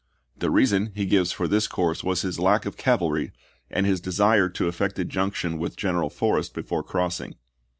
The reason he gives for this course was his lack of cav FKANKLIN AND NASHVILLE airy and his desire to effect a junction with Gen eral Forrest before crossing.